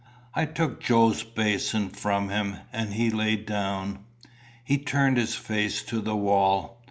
I took Joe's basin from him, and he lay down. He turned his face to the wall.